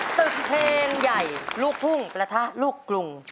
ตึกเพลงใหญ่ลูกทุ่งประทะลูกกรุง